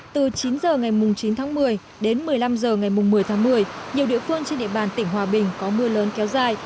từ chín h ngày chín tháng một mươi đến một mươi năm h ngày một mươi tháng một mươi nhiều địa phương trên địa bàn tỉnh hòa bình có mưa lớn kéo dài